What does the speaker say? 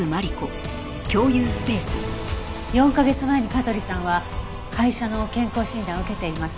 ４カ月前に香取さんは会社の健康診断を受けています。